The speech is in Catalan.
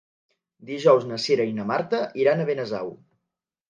Dijous na Cira i na Marta iran a Benasau.